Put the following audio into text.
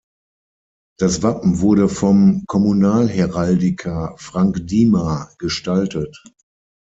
Das Wappen wurde vom Kommunalheraldiker Frank Diemar gestaltet.